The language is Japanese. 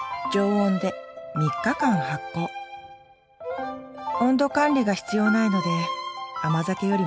温度管理が必要ないので甘酒よりも簡単ですよ